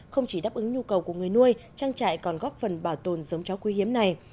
không chỉ đáp ứng nhu cầu của người nuôi trang trại còn góp phần bảo tồn giống chó quý hiếm này